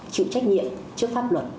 chịu trách nhiệm trước pháp luật